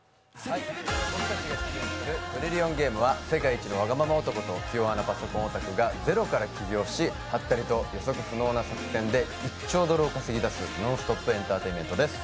僕たちが出演する「トリリオンゲーム」は世界一のわがまま男と気弱なパソコンオタクがゼロから起業し、はったりと予想不能の作戦で１兆ドルを稼ぎだすノンストップエンターテインメントです。